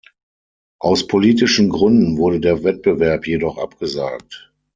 Aus "politischen Gründen" wurde der Wettbewerb jedoch abgesagt.